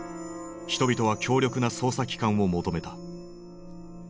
人々は強力な捜査機関を求めた。